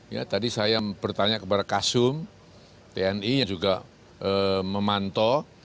ya tadi saya bertanya kepada kasum tni yang juga memantau